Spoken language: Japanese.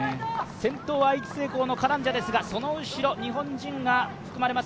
先頭は愛知製鋼のカランジャですがその後ろ、日本人が含まれます